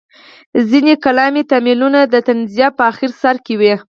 ځینې کلامي تمایلونه د تنزیه په اخر سر کې وو.